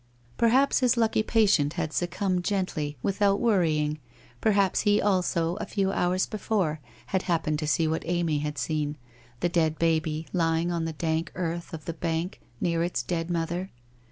Perhaps his lucky patient had succumbed gently, without worrying, perhaps he also, a few hours before, had hap pened to see what Amy had seen, the dead baby lying on the dank earth of the bank near its dead mother?